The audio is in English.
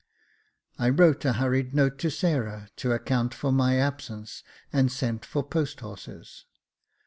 I wrote a hurried note to Sarah to account for my absence, and sent for post horses.